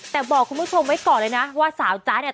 แต่บอกคุณผู้ชมไว้ก่อนเลยนะว่าสาวจ๊ะเนี่ย